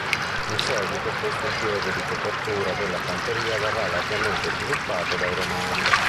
In seguito questo impiego di copertura della fanteria verrà largamente sviluppato dai Romani.